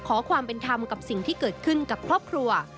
ขอความเป็นธรรมกับสิ่งที่เกิดขึ้นกับครอบครัว